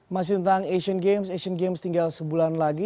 masih tentang asian games asian games tinggal sebulan lagi